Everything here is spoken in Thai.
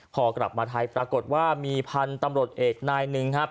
พอกลับมาไทยปรากฏว่ามีพันธุ์ตำรวจเอกนายหนึ่งครับ